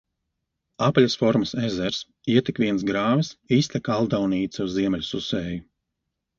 Apaļas formas ezers, ietek viens grāvis, iztek Aldaunīca uz Ziemeļsusēju.